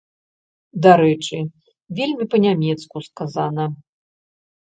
Дарэчы, вельмі па-нямецку сказана.